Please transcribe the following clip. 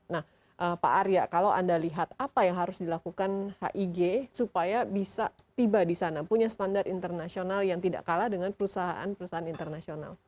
nah pak arya kalau anda lihat apa yang harus dilakukan hig supaya bisa tiba di sana punya standar internasional yang tidak kalah dengan perusahaan perusahaan internasional